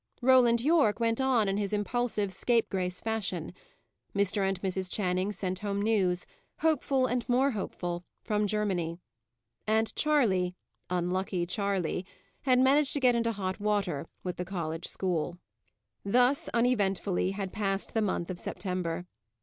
Roland Yorke went on in his impulsive, scapegrace fashion. Mr. and Mrs. Channing sent home news, hopeful and more hopeful, from Germany. And Charley, unlucky Charley, had managed to get into hot water with the college school. Thus uneventfully had passed the month of September.